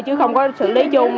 chứ không có xử lý chung